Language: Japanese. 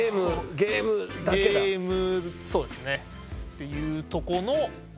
っていうとこの。